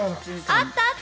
あった！